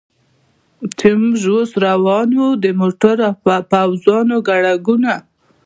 چې موږ اوس روان و، د موټرو او پوځیانو ګڼه ګوڼه.